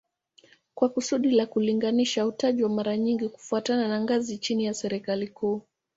Kwa kusudi la kulinganisha hutajwa mara nyingi kufuatana na ngazi chini ya serikali kuu